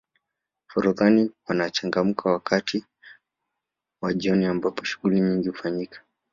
forodhani panachangamka wakati wa jioni ambapo shughuli nyingi hufanyika